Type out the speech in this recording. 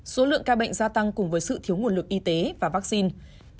số lượng ca bệnh gia tăng cùng với sự thiếu nguồn lực y tế và vaccine